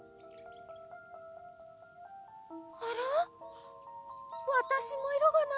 あら？わたしもいろがない。